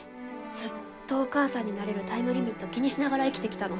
ずっとお母さんになれるタイムリミット気にしながら生きてきたの。